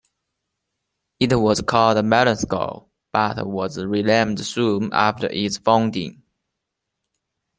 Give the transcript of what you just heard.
It was called Mellenskov, but was renamed soon after its founding.